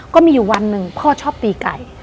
ก็มีอยู่วันหนึ่งพ่อชอบตีไก่